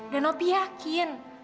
dan opi yakin